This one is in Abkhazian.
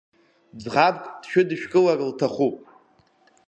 Ӡӷабк дшәыдышәкылар лҭахуп…